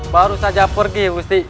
baru saja pergi gusti